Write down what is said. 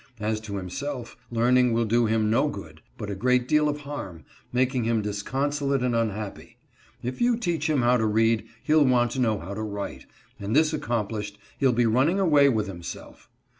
As to himself, learning will do him no good, but a great deal of harm, making him disconsolate and unhappy. If you teach him how to read, he'll want to know how to write, and this accomplished, he'll be running away with himself."